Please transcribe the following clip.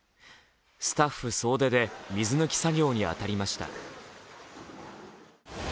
スタッフ総出で水抜き作業にあたりました。